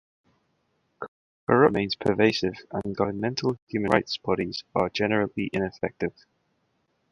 Corruption remains pervasive and governmental human rights bodies are generally ineffective.